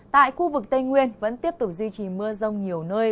tại khu vực tây nguyên vẫn tiếp tục duy trì mưa rông nhiều nơi